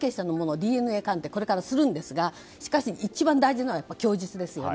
ＤＮＡ鑑定をこれからするんですが、しかし一番大事なのは供述ですよね。